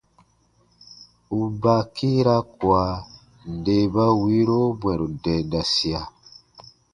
U baa kiira kua nde ba wiiro bwɛ̃ru dendasia.